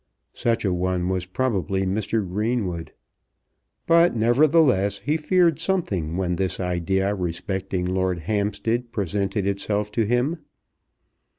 Such a one was probably Mr. Greenwood; but nevertheless he feared something when this idea respecting Lord Hampstead presented itself to him.